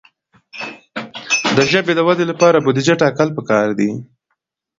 د ژبې د ودې لپاره بودیجه ټاکل پکار ده.